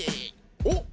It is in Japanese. おっ。